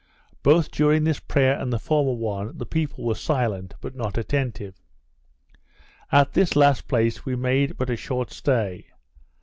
Both during this prayer and the former one, the people were silent, but not attentive. At this last place we made but a short stay.